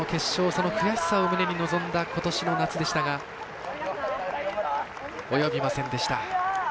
その悔しさを胸に臨んだことしの夏でしたが及びませんでした。